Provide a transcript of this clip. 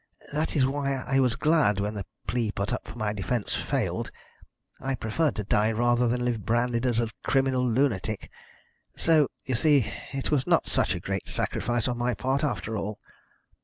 That is why I was glad when the plea put up for my defence failed. I preferred to die rather than live branded as a criminal lunatic. So, you see, it was not such a great sacrifice on my part, after all."